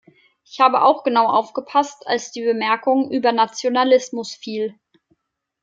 Ich habe auch genau aufgepasst, als die Bemerkung über Nationalismus fiel.